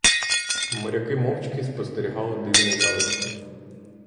Моряки мовчки спостерігали дивне явище.